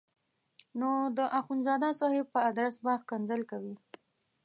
نو د اخندزاده صاحب په ادرس به ښکنځل کوي.